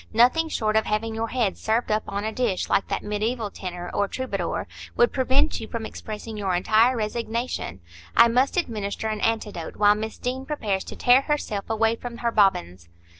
Nothing short of having your heads served up in a dish like that mediæval tenor or troubadour, would prevent you from expressing your entire resignation. I must administer an antidote, while Miss Deane prepares to tear herself away from her bobbins."